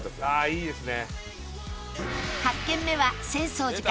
いいですね。